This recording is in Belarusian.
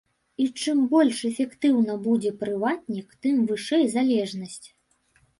І чым больш эфектыўны будзе прыватнік, тым вышэй залежнасць.